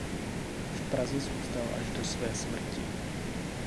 V Praze zůstal až do své smrti.